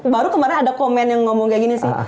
baru kemarin ada komen yang ngomong kayak gini sih